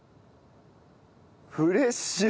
フレッシュ！